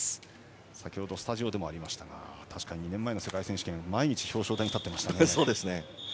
先ほどスタジオでもありましたが確かに２年前の世界選手権毎日、表彰台に立っていました。